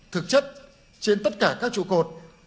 thực chất trên tất cả các trụ cột